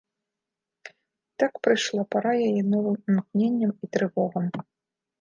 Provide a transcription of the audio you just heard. І так прыйшла пара яе новым імкненням і трывогам.